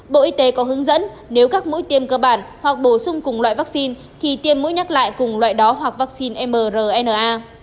bộ y tế có hướng dẫn nếu các mũi tiêm cơ bản hoặc bổ sung cùng loại vaccine thì tiêm mũi nhắc lại cùng loại đó hoặc vaccine mrna